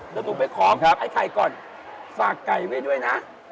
เดี๋ยวต้องไปของครับไอ้ไข่ก่อนฝากไก่ไว้ด้วยนะ